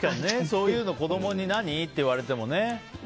そういうの子供に何？って言われてもね。